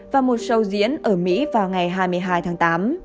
và một show diễn ở mỹ vào ngày hai mươi hai tháng tám